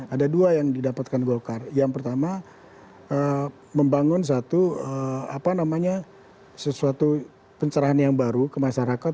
ada dua yang didapatkan golkar yang pertama membangun satu pencerahan yang baru ke masyarakat